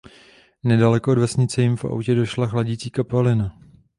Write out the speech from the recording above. Nedaleko od vesnice jim v autě došla chladicí kapalina.